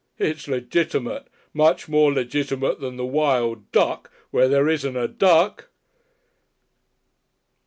It's legitimate. Much more legitimate than the Wild Duck where there isn't a duck!